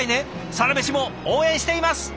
「サラメシ」も応援しています！